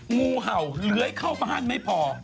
งูเห่าเหลือยเข้ามาข้างไม่พอ